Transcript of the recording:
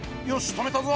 とめたぞ！